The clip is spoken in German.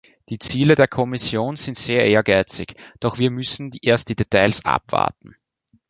Die Ziele der Kommission sind sehr ehrgeizig, doch wir müssen erst die Details abwarten.